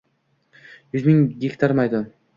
Yuz ming gektar maydon